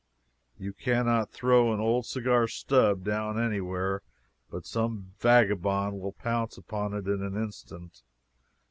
You cannot throw an old cigar "stub" down anywhere, but some vagabond will pounce upon it on the instant.